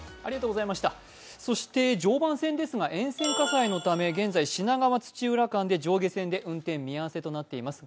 そして常磐線ですが、沿線火災のため現在品川ー土浦間で上下線で運転見合せとなっています。